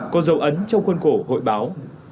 có dấu ấn trong khuôn cổ hội báo